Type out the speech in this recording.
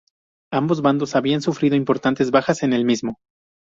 Ambos bandos habían sufrido importantes bajas en el mismo.